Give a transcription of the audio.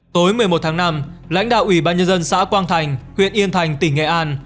tối một mươi một tháng năm lãnh đạo ủy ban nhân dân xã quang thành huyện yên thành tỉnh nghệ an